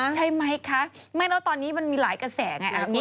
ใช่ไหมคะไม่แล้วตอนนี้มันมีหลายกระแสไงเอาอย่างงี้